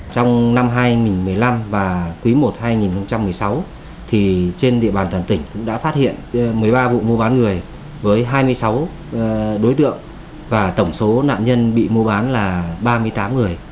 trong năm hai nghìn một mươi năm và quý i hai nghìn một mươi sáu trên địa bàn toàn tỉnh cũng đã phát hiện một mươi ba vụ mua bán người với hai mươi sáu đối tượng và tổng số nạn nhân bị mua bán là ba mươi tám người